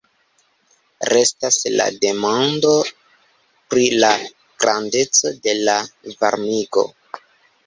Restas la demando pri la grandeco de la varmigo.